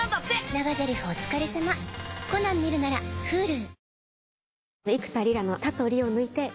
長ゼリフお疲れさま『コナン』見るならＨｕｌｕ。